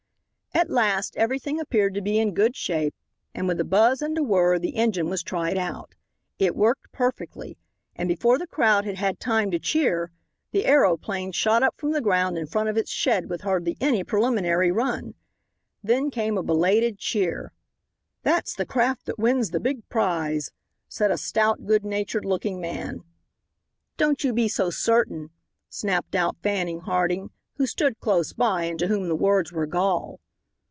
At last everything appeared to be in good shape and with a buzz and a whirr the engine was tried out. It worked perfectly, and before the crowd had had time to cheer, the aeroplane shot up from the ground in front of its shed with hardly any preliminary run. Then came a belated cheer. "That's the craft that wins the big prize," said a stout, good natured looking man. "Don't you be so certain," snapped out Fanning Harding, who stood close by, and to whom the words were gall.